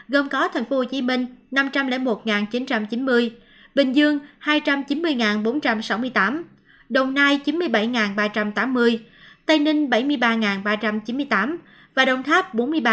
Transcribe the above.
gồm có thành phố hồ chí minh năm trăm linh một chín trăm chín mươi bình dương hai trăm chín mươi bốn trăm sáu mươi tám đồng nai chín mươi bảy ba trăm tám mươi tây ninh bảy mươi ba ba trăm chín mươi tám và đồng tháp bốn mươi ba hai mươi một